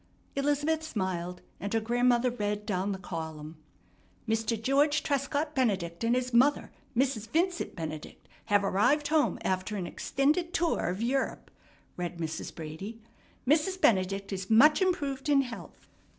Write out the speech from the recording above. Elizabeth smiled, and her grandmother read down, the column: "Mr. George Trescott Benedict and his mother, Mrs. Vincent Benedict, have arrived home after an extended tower of Europe," read Mrs. Brady. "Mrs. Benedict is much improved in health.